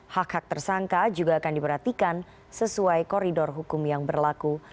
hak hak tersangka juga akan diperhatikan sesuai koridor hukum yang berlaku